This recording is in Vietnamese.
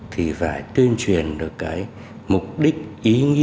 thì phải tuyên truyền được cái mục đích ý nghĩa